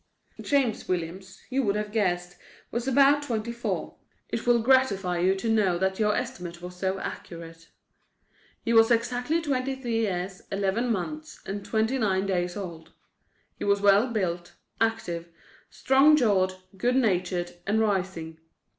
James Williams, you would have guessed, was about twenty four. It will gratify you to know that your estimate was so accurate. He was exactly twenty three years, eleven months and twenty nine days old. He was well built, active, strong jawed, good natured and rising.